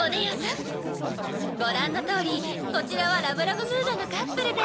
ご覧のとおりこちらはラブラブムードのカップルで。